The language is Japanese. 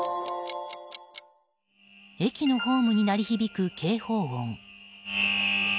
駅のホームに鳴り響く警報音。